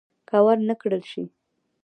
که ور نه کړل شي.